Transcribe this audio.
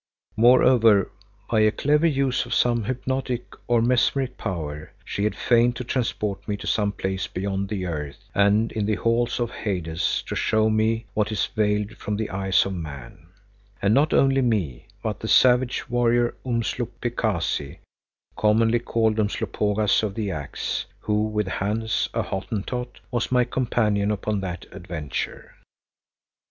Moreover, by a clever use of some hypnotic or mesmeric power, she had feigned to transport me to some place beyond the earth and in the Halls of Hades to show me what is veiled from the eyes of man, and not only me, but the savage warrior Umhlopekazi, commonly called Umslopogaas of the Axe, who, with Hans, a Hottentot, was my companion upon that adventure.